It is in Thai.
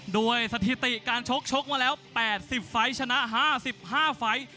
ด้วยสถิติการชกชกมาแล้ว๘๐ฝ่ายชนะ๕๕ฝ่าย